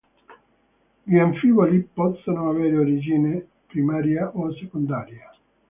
Gli anfiboli possono avere origine primaria o secondaria.